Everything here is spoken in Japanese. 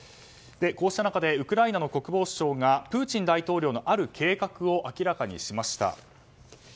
こうした中でウクライナの国防省がプーチン大統領のある計画を明らかにしました。